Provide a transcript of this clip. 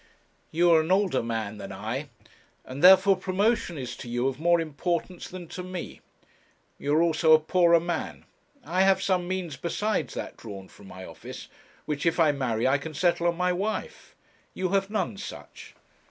'You are an older man than I, and therefore promotion is to you of more importance than to me. You are also a poorer man. I have some means besides that drawn from my office, which, if I marry, I can settle on my wife; you have none such.